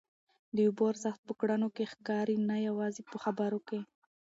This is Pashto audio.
د اوبو ارزښت په کړنو کي ښکاري نه یوازي په خبرو کي.